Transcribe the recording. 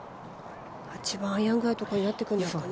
８番アイアンくらいになってくるんですかね。